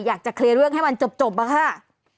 อยากจะเคลียร์เรื่องให้มันจบอะค่ะ